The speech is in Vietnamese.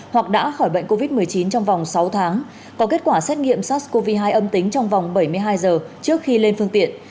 hoặc đã khỏi bệnh covid một mươi chín trong vòng sáu tháng có kết quả xét nghiệm sars cov hai âm tính trong vòng bảy mươi hai giờ trước khi lên phương tiện